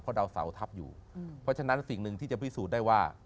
ดาวเสาทับอยู่เพราะฉะนั้นสิ่งหนึ่งที่จะพิสูจน์ได้ว่า